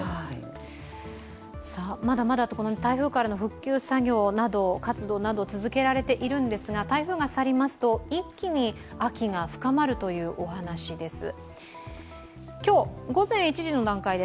まだまだ台風からの復旧活動が続けられていますが、台風が去りますと、一気に秋が深まるというお話です。